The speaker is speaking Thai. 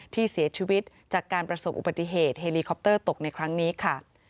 ที่เสียชีวิตจากการประสบอุบัติเหตุเฮลีคอปเตอร์ตกในครั้งนี้ค่ะ